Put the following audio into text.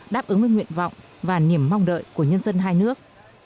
đáp ứng với nguyện vọng và niềm mong đợi của nhân dân hai nước